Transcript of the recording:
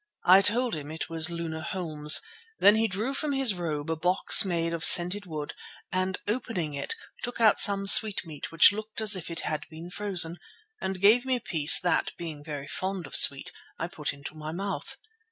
"I told him it was Luna Holmes. Then he drew from his robe a box made of scented wood, and, opening it, took out some sweetmeat which looked as if it had been frozen, and gave me a piece that, being very fond of sweet, I put into my mouth.